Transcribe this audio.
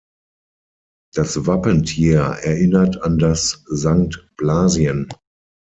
Das Wappentier erinnert an das Sankt Blasien.